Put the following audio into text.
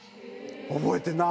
覚えてない。